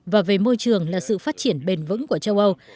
và về môi trường là sự phát triển bền vững của châu âu